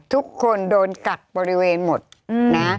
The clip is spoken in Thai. ทุกคนโดนกักบริเวณหมดนะ